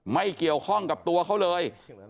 ไม่เกี่ยวข้องกับตัวเขาเลย